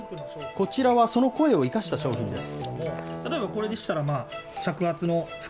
こちらはその声を生かした商品です。